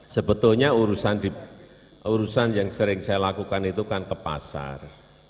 sebetulnya urusan yang sering saya lakukan itu kan ke pasar